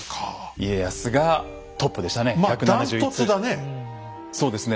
家康がトップでしたね。